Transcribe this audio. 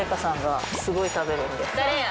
誰や？